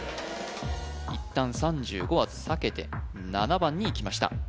一旦３５は避けて７番にいきました